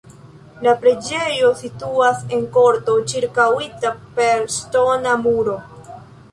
La preĝejo situas en korto ĉirkaŭita per ŝtona muro.